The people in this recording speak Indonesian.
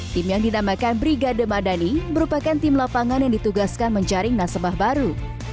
tim yang dinamakan brigade madani merupakan tim lapangan yang ditugaskan menjaring nasabah baru